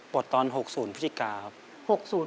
๕๘๕๙ปลดตอน๖๐พฤศจิกาครับ